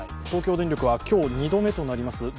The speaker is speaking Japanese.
東京電力は今日２度目となります